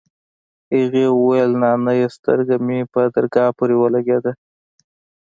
هغې وويل نانيه سترگه مې په درگاه پورې ولگېده.